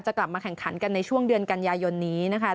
กลับมาแข่งขันกันในช่วงเดือนกันยายนนี้นะคะ